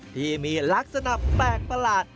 ที่มีลักษณะแปลกประหลาด